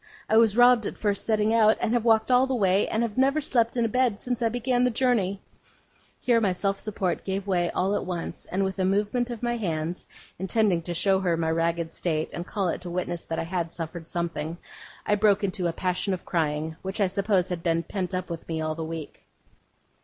I was robbed at first setting out, and have walked all the way, and have never slept in a bed since I began the journey.' Here my self support gave way all at once; and with a movement of my hands, intended to show her my ragged state, and call it to witness that I had suffered something, I broke into a passion of crying, which I suppose had been pent up within me all the week.